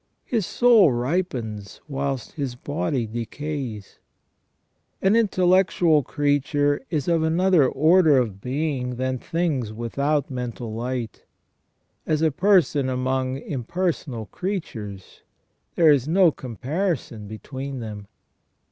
His soul ripens whilst his body decays. An intellectual creature is of another order of being than things without mental light, as a person among impersonal creatures there is no comparison between 32 WIfV MAN' IS MADE TO THE IMAGE OF GOD. them.